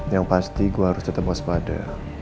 yang pasti gue harus tetap waspada